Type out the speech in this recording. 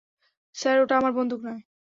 Sir, ওটা আমার বন্দুক নয়।